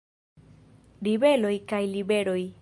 Ribeloj kaj Liberoj.